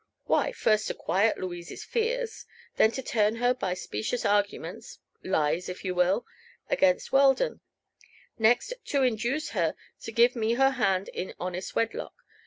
"Why, first to quiet Louise's fears; then to turn her by specious arguments lies, if you will against Weldon; next to induce her to give me her hand in honest wedlock.